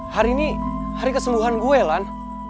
hari ini hari kesembuhan gue kan